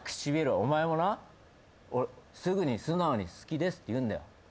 お前もなすぐに素直に好きですって言うんだよ。